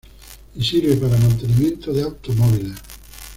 Y sirve para mantenimiento de automóviles.